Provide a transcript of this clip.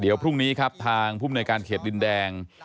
เดี๋ยวพรุ่งนี้ครับทางภูมิหน่วยการเขตดินแดง